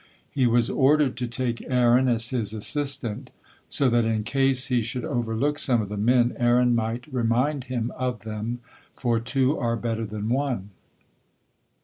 He was ordered to take Aaron as his assistant, so that in case he should overlook some of the men Aaron might remind him of them, for "two are better than one."